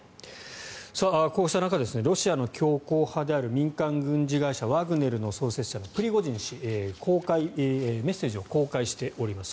こうした中ロシアの強硬派である民間軍事会社のワグネルの創設者のプリゴジン氏メッセージを公開しております。